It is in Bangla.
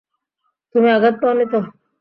তুমি আঘাত পাওনি তো?